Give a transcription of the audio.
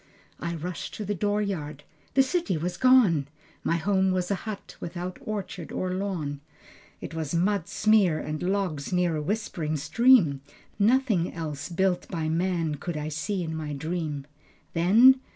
I rushed to the door yard. The city was gone. My home was a hut without orchard or lawn. It was mud smear and logs near a whispering stream, Nothing else built by man could I see in my dream ... Then